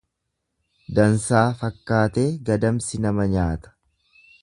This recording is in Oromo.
Dansaa fakkaatee gadamsi nama nyaata.